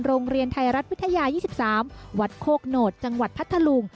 โรงเรียนไทยรัฐวิทยา๒๓วัดโคกโหนดจังหวัดพัทธลุง